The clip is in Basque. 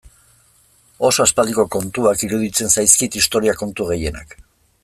Oso aspaldiko kontuak iruditzen zaizkit historia kontu gehienak.